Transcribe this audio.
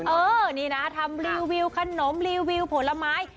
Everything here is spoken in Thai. เออนี่นะทำรีวิวขนมรีวิวผลไม้